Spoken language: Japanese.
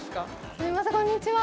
すみませんこんにちは